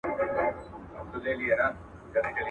ګله له تا هم زلمي ډاریږي.